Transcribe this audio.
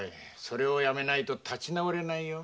それをやめないと立ち直れないよ。